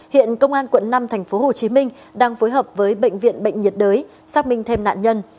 hiện công an quận năm tp hcm đang phối hợp với bệnh viện bệnh nhiệt đới xác minh thêm nạn nhân